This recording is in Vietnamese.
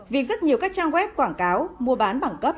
việc rất nhiều các trang web quảng cáo mua bán bằng cấp